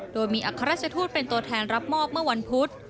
โดยมีอัครราชทูตเป็นตัวแทนรับมอบเมื่อวันพุธ